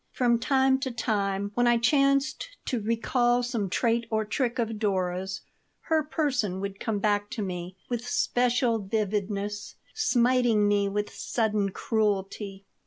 From time to time, when I chanced to recall some trait or trick of Dora's, her person would come back to me with special vividness, smiting me with sudden cruelty.